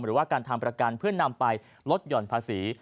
หรือว่าการทำประกันเพื่อนำไปลดหย่อนภาษี